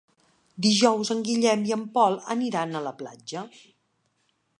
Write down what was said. Dijous en Guillem i en Pol aniran a la platja.